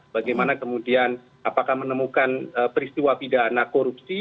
bagaimana kemudian apakah menemukan peristiwa pidana korupsi